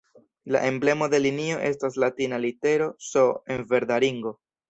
La emblemo de linio estas latina litero "S" en verda ringo.